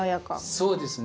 そうですね。